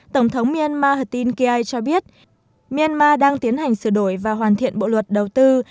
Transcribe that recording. tổng thống myanmar htin kiai cho biết myanmar đang tiến hành sửa đổi và hoàn thiện bộ luật đầu tư